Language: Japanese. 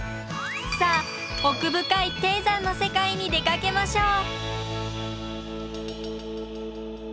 さあ奥深い低山の世界に出かけましょう。